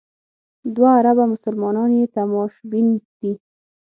دوه اربه مسلمانان یې تماشبین دي.